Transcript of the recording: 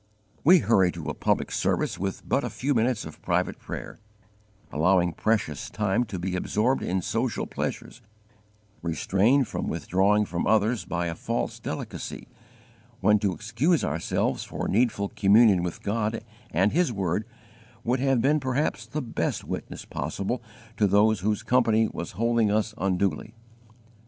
We hurry to a public service with but a few minutes of private prayer, allowing precious time to be absorbed in social pleasures, restrained from withdrawing from others by a false delicacy, when to excuse ourselves for needful communion with God and his word would have been perhaps the best witness possible to those whose company was holding us unduly!